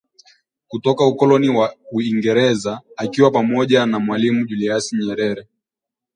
kutoka ukoloni wa Uingereza akiwa pamoja na Mwalimu Julius Nyerere